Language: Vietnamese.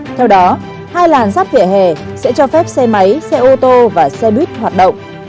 theo đó hai làn ráp vỉa hè sẽ cho phép xe máy xe ô tô và xe buýt hoạt động